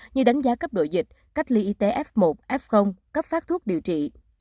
như đánh giá cấp độ dịch cách ly y tế f một f cấp phát thuốc điều trị